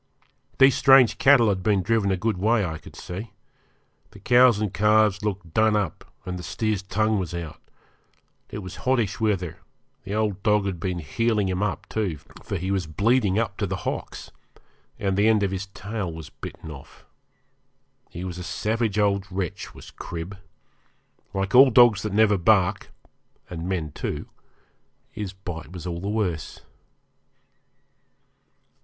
These strange cattle had been driven a good way, I could see. The cows and calves looked done up, and the steer's tongue was out it was hottish weather; the old dog had been 'heeling' him up too, for he was bleeding up to the hocks, and the end of his tail was bitten off. He was a savage old wretch was Crib. Like all dogs that never bark and men too his bite was all the worse.